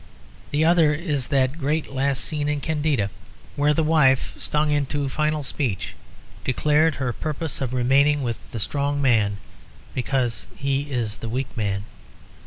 The other is that great last scene in Candida where the wife, stung into final speech, declared her purpose of remaining with the strong man because he is the weak man.